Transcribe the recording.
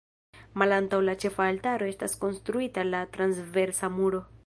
Malantaŭ la ĉefa altaro estis konstruita la transversa muro.